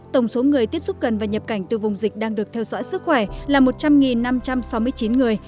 tổng số người tiếp xúc gần và nhập cảnh từ vùng dịch đang được theo dõi sức khỏe là một trăm linh năm trăm sáu mươi chín người